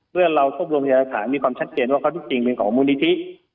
เพื่อเรารวบรวมพยาฐานมีความชัดเจนว่าข้อที่จริงเป็นของมูลนิธิ